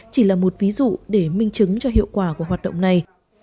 chỉ là một ví dụ để minh chứng cho hiệu quả của hoạt động này